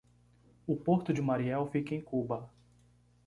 O Porto de Mariel fica em Cuba